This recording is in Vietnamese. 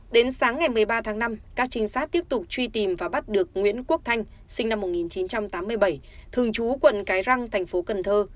đến sáng ngày một mươi ba tháng năm các trinh sát tiếp tục truy tìm và bắt được nguyễn quốc thanh sinh năm một nghìn chín trăm tám mươi bảy thường trú quận cái răng thành phố cần thơ